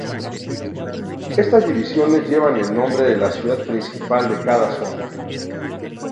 Estas divisiones llevan el nombre de la ciudad principal de cada zona.